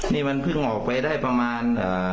นี่มันเพิ่งออกไปได้ประมาณ